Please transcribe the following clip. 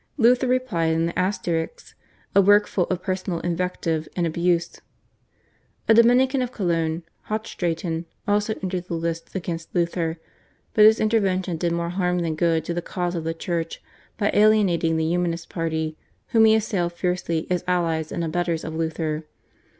Luther replied in the /Asterisks/, a work full of personal invective and abuse. A Dominican of Cologne, Hochstraten, also entered the lists against Luther, but his intervention did more harm than good to the cause of the Church by alienating the Humanist party whom he assailed fiercely as allies and abettors of Luther.